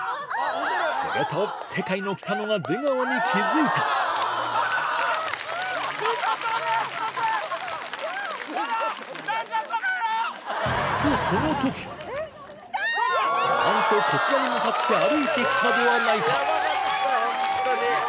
すると世界のキタノが出川に気付いたなんとこちらに向かって歩いてきたではないかヤバかった本当に。